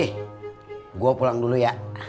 eh gue pulang dulu ya